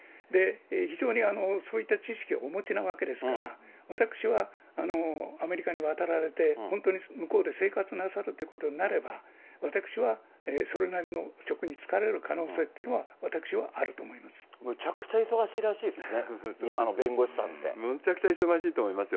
非常にそういった知識をお持ちなわけですから、私はアメリカに渡られて、本当に向こうで生活なさるってことになれば、私はそれなりの職につかれる可能性というのは、私はあると思いまむちゃくちゃ忙しいらしいでむちゃくちゃ忙しいと思いますよ。